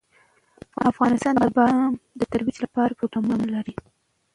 افغانستان د بادام د ترویج لپاره پروګرامونه لري.